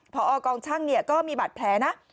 พอกองช่างก็มีบาดแผลนะ